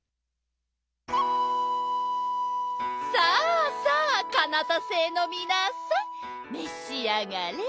さあさあカナタ星のみなさんめしあがれ。